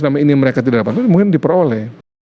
selama ini mereka tidak dapat itu mungkin diperoleh